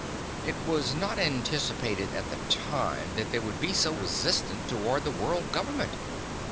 It was not anticipated at the time that they would be so resistant toward the World Government."